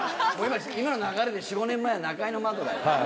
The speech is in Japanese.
今の流れで４５年前は『ナカイの窓』だよ。